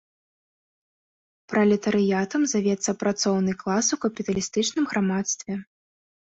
Пралетарыятам завецца працоўны клас у капіталістычным грамадстве.